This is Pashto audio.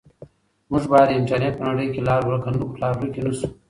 موږ باید د انټرنیټ په نړۍ کې لار ورک نه سو.